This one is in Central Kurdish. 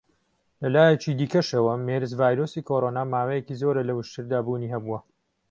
لە لایەکی دیکەشەوە، مێرس-ڤایرۆسی کۆڕۆنا ماوەیەکی زۆرە لە وشتردا بوونی هەبووە.